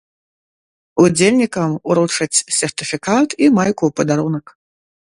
Удзельнікам уручаць сертыфікат і майку ў падарунак.